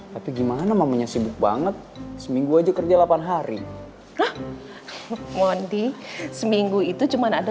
tapi gimana mamanya sibuk banget seminggu aja kerja delapan hari wanti seminggu itu cuma ada